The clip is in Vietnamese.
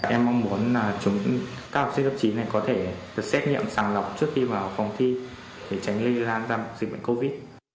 em mong muốn các học sinh lớp chín này có thể được xét nghiệm sàng lọc trước khi vào phòng thi để tránh lây lan ra dịch bệnh covid